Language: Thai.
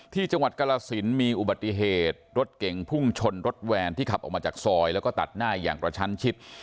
ที่จังหวัดกรสินมีอุบัติเหตุรถเก่งพุ่งชนรถแวนที่ขับออกมาจากซอยแล้วก็ตัดหน้าอย่างกระชั้นชิด